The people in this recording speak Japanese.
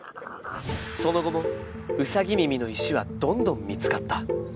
その後もウサギ耳の石はどんどん見つかった